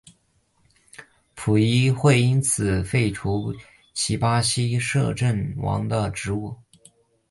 葡议会因此废黜了其巴西摄政王的职务。